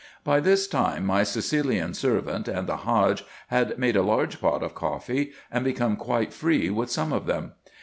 By tins time, my Sicilian servant and the Hadge had made a large pot of coffee, and become quite free with some of them.